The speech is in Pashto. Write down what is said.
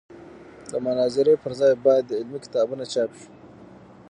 د مناظرې پر ځای باید علمي کتابونه چاپ شي.